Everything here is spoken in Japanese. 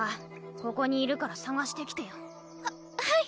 ここにいるから探してきてよ。ははい。